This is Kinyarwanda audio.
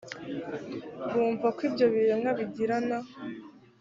bumva ko ibyo biremwa bigirana